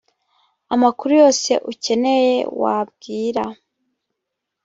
amakuru yose ukeneye wabwira